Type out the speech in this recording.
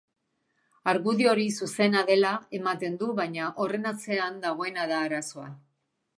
Argudio hori zuzena dela ematen du, baina horren atzean dagoena da arazoa.